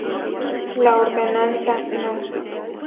La Ordenanza No.